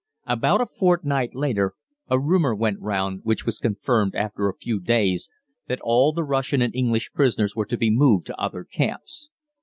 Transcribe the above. About a fortnight later, a rumor went round, which was confirmed after a few days, that all the Russian and English prisoners were to be moved to other camps.